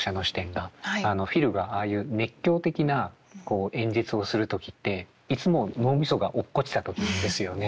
フィルがああいう熱狂的な演説をする時っていつも脳みそが落っこちた時なんですよね。